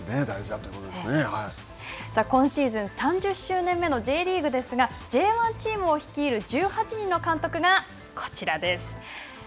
といさあ、今シーズン、３０周年目のＪリーグですがＪ１チームを率いる１８人の監督がこちらです。